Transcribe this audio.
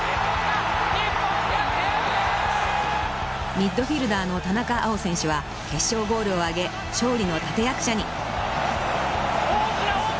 ［ミッドフィールダーの田中碧選手は決勝ゴールを挙げ勝利の立役者に］